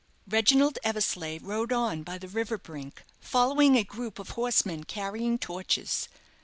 Reginald Eversleigh rode on by the river brink, following a group of horsemen carrying torches.